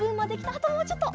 あともうちょっと！